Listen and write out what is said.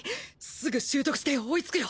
すぐ習得して追いつくよ。